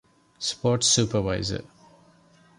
ސްޕޯޓްސް ސްޕަރވައިޒަރ